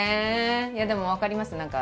いやでも分かります何か。